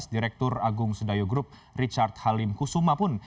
direktur agung sedayo group richard halim kusuma pun